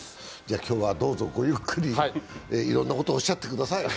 今日はどうぞごゆっくりいろんなことをおっしゃってください。